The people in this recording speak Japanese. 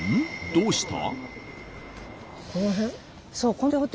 どうした？